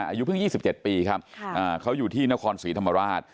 อายุเพิ่ง๒๗ปีครับเขาอยู่ที่นครศรีธรรมราช